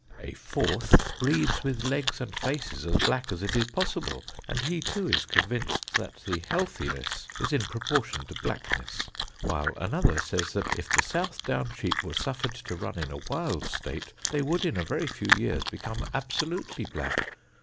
A fourth breeds with legs and faces as black as it is possible; and he too is convinced that the healthiness is in proportion to blackness; whilst another says, that if the South Down sheep were suffered to run in a wild state, they would in a very few years become absolutely black.